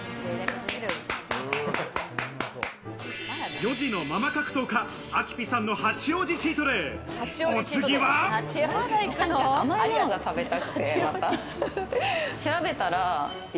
４児のママ格闘家あきぴさんの八王子チートデイ。